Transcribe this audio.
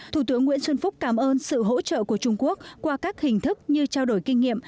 thủ tướng nguyễn xuân phúc cảm ơn sự hỗ trợ của trung quốc qua các hình thức như trao đổi kinh nghiệm